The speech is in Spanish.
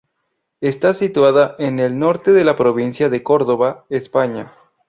Está situada en el norte de la provincia de Córdoba, España.